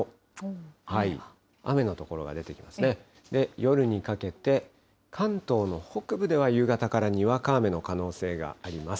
夜にかけて、関東の北部では夕方からにわか雨の可能性があります。